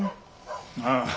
ああ。